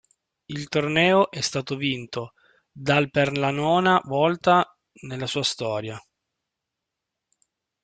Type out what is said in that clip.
Il torneo è stato vinto dal per la nona volta nella sua storia.